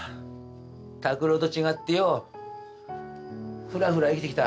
拓郎と違ってよふらふら生きてきた。